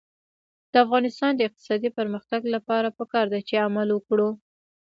د افغانستان د اقتصادي پرمختګ لپاره پکار ده چې عمل وکړو.